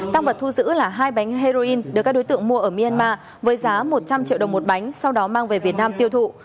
tăng vật thu giữ là hai bánh heroin được các đối tượng mua ở myanmar với giá một trăm linh triệu đồng một bánh sau đó mang về việt nam tiêu thụ